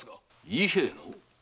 伊兵衛の？